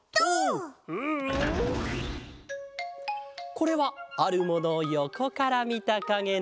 これはあるものをよこからみたかげだ。